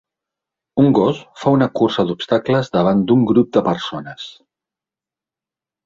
Un gos fa una cursa d'obstacles davant d'un grup de persones.